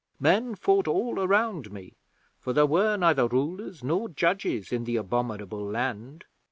Men fought all around me, for there were neither rulers nor judges in the abominable land.